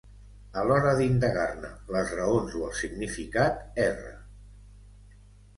A l'hora d'indagar-ne les raons o el significat, erre